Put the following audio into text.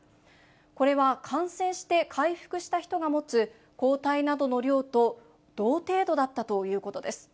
これは感染して回復した人が持つ抗体などの量と同程度だったということです。